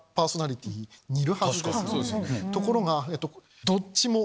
ところがどっちも。